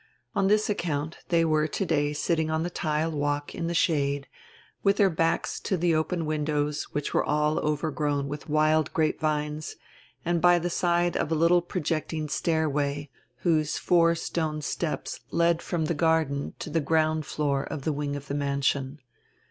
On this account they were today sitting on the tile walk in the shade, with their backs to the open windows, wiiich were all overgrown with wild grape vines, and by die side of a littie projecting stairway, whose four stone steps led from die garden to die ground door of die wing of the mansion.